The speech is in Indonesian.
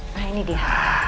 nah ini dia